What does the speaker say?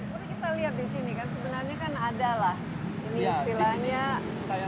sebenarnya kan ada lah ini istilahnya